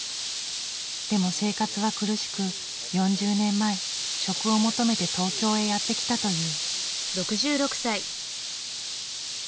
でも生活は苦しく４０年前職を求めて東京へやって来たという。